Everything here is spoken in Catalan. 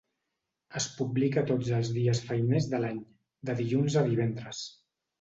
Es publica tots els dies feiners de l'any, de dilluns a divendres.